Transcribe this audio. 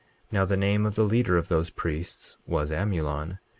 23:32 Now the name of the leader of those priests was Amulon.